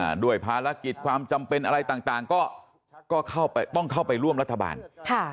ด้วยภารกิจความจำเป็นอะไรต่างต่างก็ก็เข้าไปต้องเข้าไปร่วมรัฐบาลค่ะ